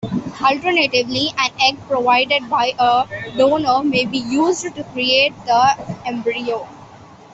Alternatively, an egg provided by a donor may be used to create the embryo.